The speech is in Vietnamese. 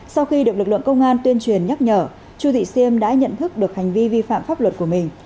sau khi được lực lượng công an tuyên truyền nhắc nhở chu thị siêm đã nhận thức được hành vi vi phạm pháp luật của mình